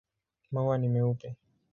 Maua ni meupe.